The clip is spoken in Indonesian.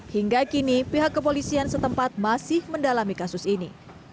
hingga kini pihak kepolisian setempat masih mendalami kasus ini